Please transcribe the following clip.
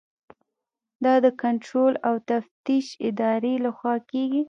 دا د کنټرول او تفتیش ادارې لخوا کیږي.